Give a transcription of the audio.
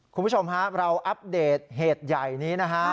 คุณผู้ชมฮะเราอัปเดตเหตุใหญ่นี้นะฮะ